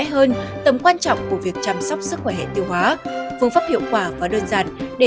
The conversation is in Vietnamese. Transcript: hơn tầm quan trọng của việc chăm sóc sức khỏe hệ tiêu hóa phương pháp hiệu quả và đơn giản để